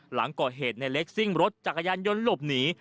หลังก่อเหตุในเล็กซิ่งรถจักรยานยนต์หลบหนี